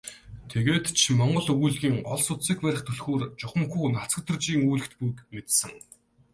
Тэгээд ч монгол өгүүллэгийн гол судсыг барих түлхүүр чухамхүү Нацагдоржийн өгүүллэгт буйг мэдсэн.